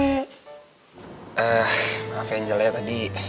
eh maaf angel ya tadi